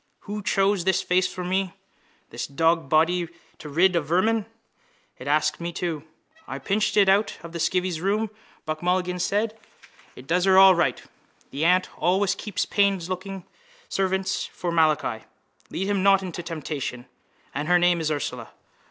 Who chose this face for me? This dogsbody to rid of vermin. It asks me too. —I pinched it out of the skivvy's room, Buck Mulligan said. It does her all right. The aunt always keeps plainlooking servants for Malachi. Lead him not into temptation. And her name is Ursula.